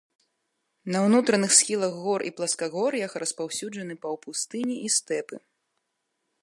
На ўнутраных схілах гор і пласкагор'ях распаўсюджаны паўпустыні і стэпы.